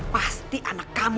pasti anak kamu